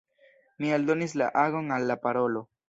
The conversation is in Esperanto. Mi aldonis la agon al la parolo.